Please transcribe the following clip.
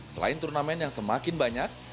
selain turnamen yang semakin banyak